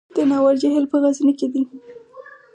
د ناور جهیل په غزني کې دی